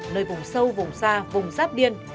nơi vùng sâu vùng xa vùng sáp điên